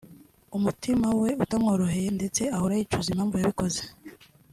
umutima we utamworoheye ndetse ahora yicuza impamvu yabikoze